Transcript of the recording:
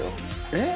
えっ！